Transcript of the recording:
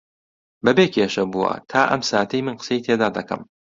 بەبێ کێشە بووە تا ئەم ساتەی من قسەی تێدا دەکەم